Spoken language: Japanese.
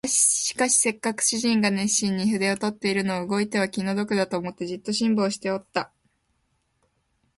しかしせっかく主人が熱心に筆を執っているのを動いては気の毒だと思って、じっと辛抱しておった